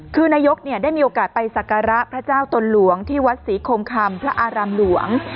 คือนายกได้มีโอกาสไปสักการะพระเจ้าตนหลวงที่วัดศรีโคมคำพระอารามหลวง